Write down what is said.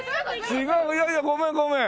違ういやいやごめんごめん。